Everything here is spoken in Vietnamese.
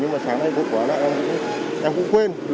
nhưng mà sáng nay vô tư em cũng quên